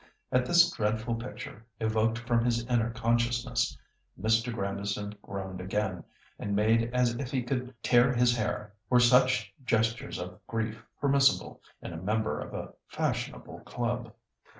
At this dreadful picture evoked from his inner consciousness, Mr. Grandison groaned again, and made as if he could tear his hair, were such gestures of grief permissible in a member of a fashionable club.